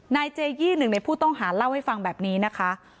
นายเจยี่หนึ่งในผู้ต้องหาเล่าให้ฟังแบบนี้นะคะ